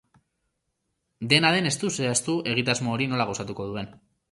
Dena den, ez du zehaztu egitasmo hori nola gauzatuko duen.